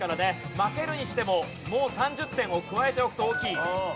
負けるにしてももう３０点を加えておくと大きい。